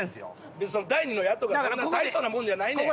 別に第二の矢とかそんな大層なもんじゃないねん。